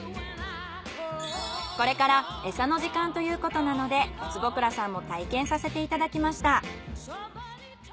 これからエサの時間ということなので坪倉さんも体験させていただきました。